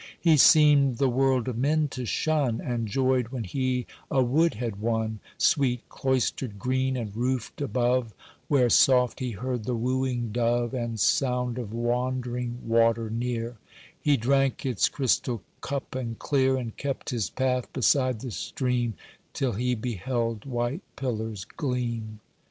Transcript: He seemed the world of men to shun, And joyed when he a wood had won, Sweet cloistered green, and roofed above, Where soft he heard the wooing dove, And sound of wandering water near; He drank its crystal cup and clear, And kept his path beside the stream Till he beheld white pillars gleam.